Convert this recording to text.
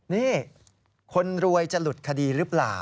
นี่คนรวยจะหลุดคดีหรือเปล่า